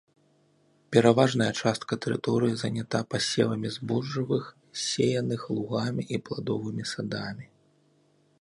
Пераважная частка тэрыторыі занята пасевамі збожжавых, сеяных лугамі і пладовымі садамі.